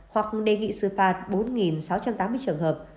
hoặc đề nghị xử phạt bốn sáu trăm tám mươi trường hợp